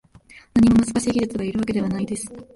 何も難しい技術がいるわけではないです